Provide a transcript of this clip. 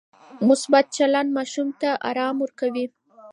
مثبت چلند ماشوم ته ارام ورکوي.